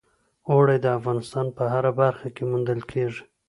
اوړي د افغانستان په هره برخه کې موندل کېږي.